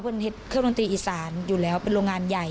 ืนออิสานอยู่แล้วเป็นเริ่มโรงงานใหญ่